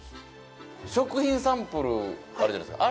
食品サンプルあるじゃないですか。